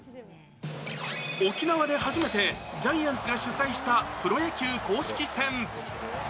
沖縄で初めて、ジャイアンツが主催したプロ野球公式戦。